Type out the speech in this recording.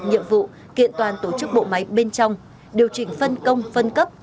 nhiệm vụ kiện toàn tổ chức bộ máy bên trong điều chỉnh phân công phân cấp